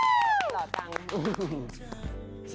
สวัสดีครับผมชกกุลพล็อกซี่ครับ